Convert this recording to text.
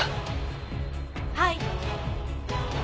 はい。